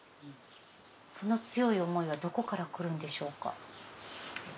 その強い思いはどこから来るんでしょうか？